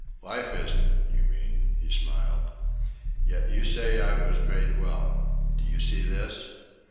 "Life isn't, you mean," he smiled. "Yet you say I was made well. Do you see this?"